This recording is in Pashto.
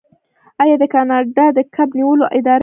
آیا کاناډا د کب نیولو اداره نلري؟